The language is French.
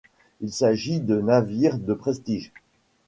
Il s'agit de navires de prestige.